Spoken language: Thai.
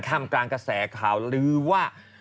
มกลางกระแสข่าวลื้อว่า